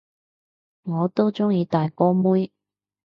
我都鍾意大波妹